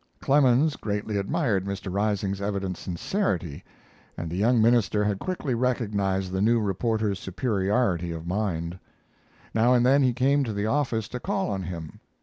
Clemens greatly admired Mr. Rising's evident sincerity, and the young minister had quickly recognized the new reporter's superiority of mind. Now and then he came to the office to call on him.